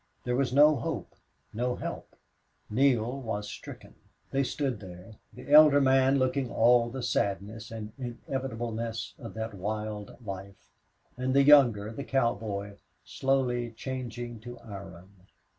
There was no hope, no help. Neale was stricken. They stood there, the elder man looking all the sadness and inevitableness of that wild life, and the younger, the cowboy, slowly changing to iron.